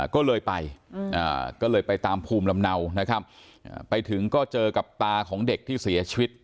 ก็เลยไปก็เลยไปตามภูมิลำเนานะครับไปถึงก็เจอกับตาของเด็กที่เสียชีวิต